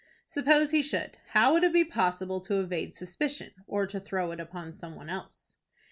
Suppose he should, how would it be possible to evade suspicion, or to throw it upon some one else?